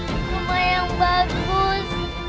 rumah yang bagus